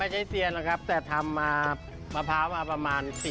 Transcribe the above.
ไม่ใช่เซียนหรอกครับแต่ทำมามะพร้าวมาประมาณ๔๐ปี